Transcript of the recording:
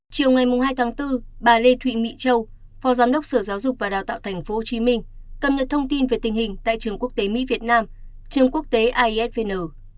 chiều ngày hai tháng bốn bà lê thụy mỹ châu phó giám đốc sở giáo dục và đào tạo tp hcm cập nhật thông tin về tình hình tại trường quốc tế mỹ việt nam trường quốc tế isvn